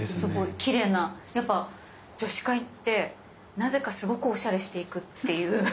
きれいなやっぱ女子会ってなぜかすごくおしゃれして行くっていう。